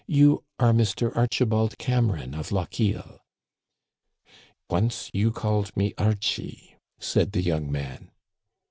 You are Mr. Archibald Cameron of Lochiel." " Once you called me Archie," said the young man.